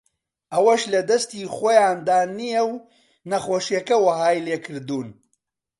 ئەوەش لەدەستی خۆیاندا نییە و نەخۆشییەکە وەهای لێکردوون